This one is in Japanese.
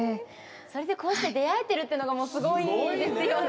それでこうして出会えてるっていうのがもうすごいですよね。